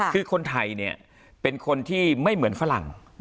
คือคนไทยเนี่ยเป็นคนที่ไม่เหมือนฝรั่ง